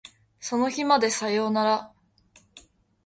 その日までさよなら